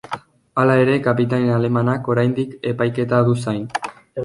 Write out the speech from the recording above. Hala ere, kapitain alemanak oraindik epaiketa du zain.